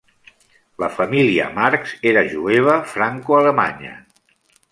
La família Marx era jueva franco-alemanya.